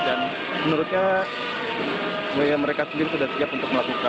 dan menurutnya mereka sendiri sudah siap untuk melakukan